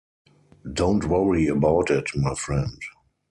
Don't worry about it, my friend.